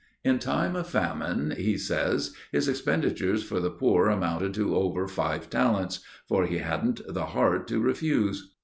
In time of famine, he says, his expenditures for the poor amounted to over five talents; for he hadn't the heart to refuse.